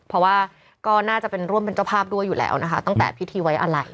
เพราะว่าก็น่าจะเป็นร่วมเป็นเจ้าภาพด้วยอยู่แล้วนะคะตั้งแต่พิธีไว้อะไร